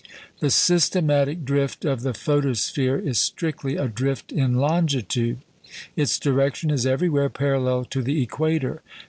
The systematic drift of the photosphere is strictly a drift in longitude; its direction is everywhere parallel to the equator.